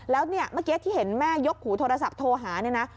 แล้วเนี่ยเมื่อกี้ที่เห็นแม่ยกหูโทรศัพท์โทรหาเนี่ยนะ